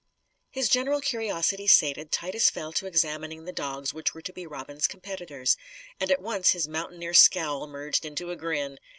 His general curiosity sated, Titus fell to examining the dogs which were to be Robin's competitors. And at once his mountaineer scowl merged into a grin.